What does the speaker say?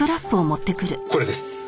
これです。